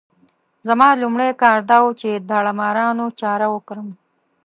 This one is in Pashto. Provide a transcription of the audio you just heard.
زما لومړی کار دا وو چې د داړه مارانو چاره وکړم.